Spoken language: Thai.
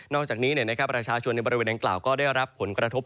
อกจากนี้ประชาชนในบริเวณดังกล่าวก็ได้รับผลกระทบ